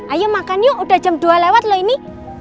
ayo makan yuk udah jam dua lewat loh ini